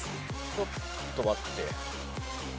ちょっと待って。